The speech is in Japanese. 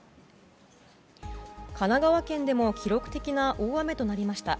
神奈川県でも記録的な大雨となりました。